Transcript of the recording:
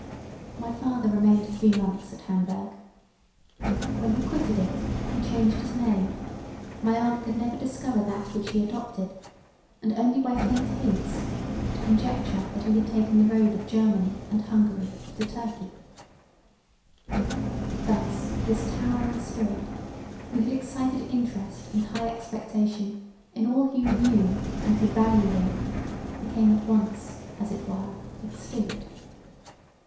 My father remained three months at Hamburgh; when he quitted it he changed his name, my aunt could never discover that which he adopted and only by faint hints, could conjecture that he had taken the road of Germany and Hungary to Turkey. Thus this towering spirit who had excited interest and high expectation in all who knew and could value him became at once, as it were, extinct.